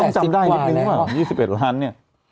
ก็ใช่แล้วคนแล้วความนี้